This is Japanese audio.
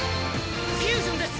フュージョンです！